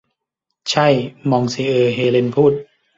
ใช่ มองซิเออร์ เฮเลนพูด